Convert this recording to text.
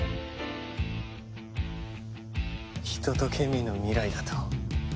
人とケミーの未来だと？